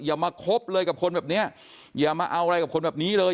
อย่ามาคบเลยกับคนแบบเนี้ยอย่ามาเอาอะไรกับคนแบบนี้เลย